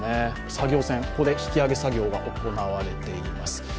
作業船、ここで引き揚げ作業が行われています。